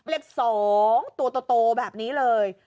เลข๒ตัวโตแบบนี้เลย